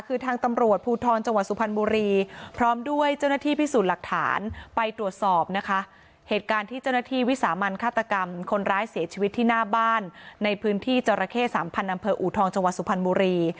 คนร้ายเสียชีวิตที่หน้าบ้านในพื้นที่เจาระเข้สามพันธุ์อำเภออูทองจังหวัดสุพรรณบุรี